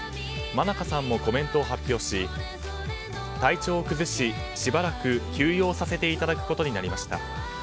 ｍａｎａｋａさんもコメントを発表し体調を崩ししばらく休養させていただくことになりました。